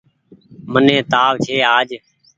مني تآو ڇي آج۔